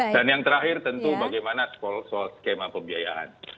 dan yang terakhir tentu bagaimana soal skema pembiayaan